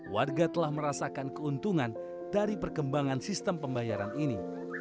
warga telah merasakan keuntungan dari perkembangan sistem pembayaran ini